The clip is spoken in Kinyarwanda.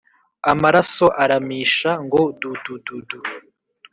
Amaraso aramisha ngo dudududu